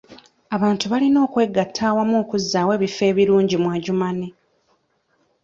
Abantu balina okwegatta awamu okuzzaawo ebifo ebirungi mu Adjumani.